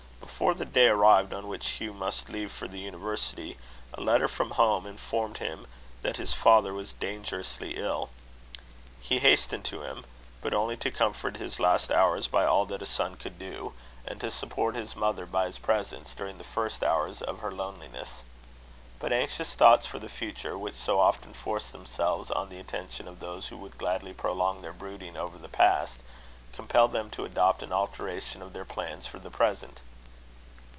Before the day arrived on which Hugh must leave for the university, a letter from home informed him that his father was dangerously ill. He hastened to him, but only to comfort his last hours by all that a son could do, and to support his mother by his presence during the first hours of her loneliness. But anxious thoughts for the future, which so often force themselves on the attention of those who would gladly prolong their brooding over the past, compelled them to adopt an alteration of their plans for the present.